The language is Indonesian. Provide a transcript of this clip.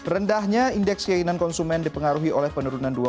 rendahnya indeks keyakinan konsumen dipengaruhi oleh perusahaan yang terkenal